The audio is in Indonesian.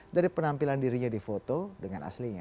dari penampilan dirinya di foto dengan aslinya